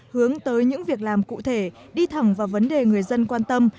hướng tới những việc làm cụ thể đi thẳng vào vấn đề người dân quan tâm